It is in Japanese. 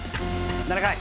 ７回。